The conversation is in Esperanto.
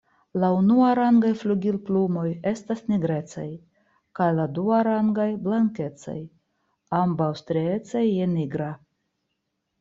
La unuarangaj flugilplumoj estas nigrecaj kaj la duarangaj blankecaj, ambaŭ striecaj je nigra.